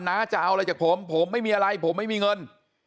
จะเอาอะไรจากผมผมไม่มีอะไรผมไม่มีเงิน